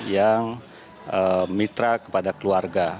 yang mitra kepada keluarga